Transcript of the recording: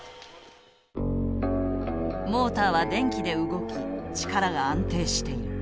モーターは電気で動き力が安定している。